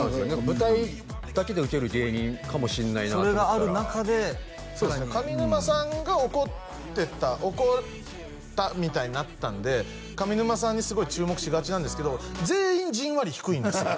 舞台だけでウケる芸人かもしんないなってそれがある中でさらにそうです上沼さんが怒ってた怒ったみたいになったんで上沼さんにすごい注目しがちなんですけど全員じんわり低いんですよ